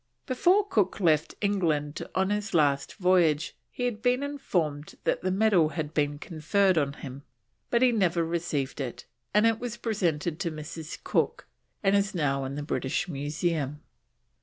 Before Cook left England on his last voyage he had been informed that the medal had been conferred on him, but he never received it, and it was presented to Mrs. Cook, and is now in the British Museum.